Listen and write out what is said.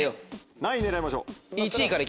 何位狙いましょう？